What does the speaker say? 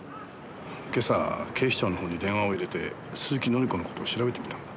今朝警視庁のほうに電話を入れて鈴木紀子の事を調べてみたんだ。